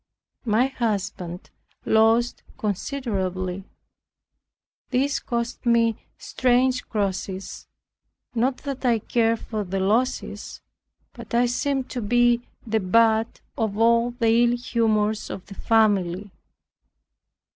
My husband lost considerably. This cost me strange crosses, not that I cared for the losses, but I seemed to be the butt of all the ill humors of the family.